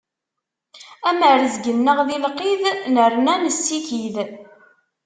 Am rrezg-nneɣ di lqid, nerna nessikid.